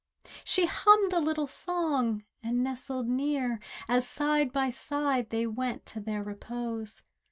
She hummed a little song and nestled near, As side by side they went to their repose.